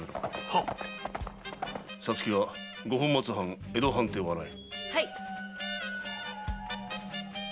皐月は五本松藩江戸藩邸を洗え。